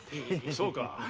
そうか！